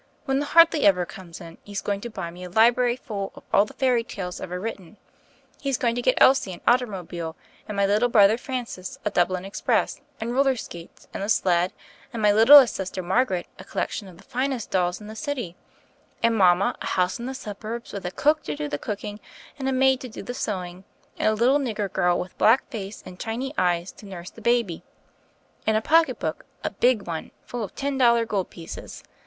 When the *Hardly Ever' comes In, he's going to buy me a library full of all the fairy tales ever written, and he's going to get Elsie an ottermobile, and my little brother, Francis, a 'Dublin Express' and roller skates and a sled, and my littlest sister, Margaret, a collection of the finest dolls in the city, and mama a house in the suburbs with a cook to do the cooking, and a maid to do the sewing, and a little nigger girl with black face and chiney eyes to nurse the baby, and a • pocket book — a big one — full of ten dollar gold pieces.